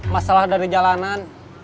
masalah dari jalanan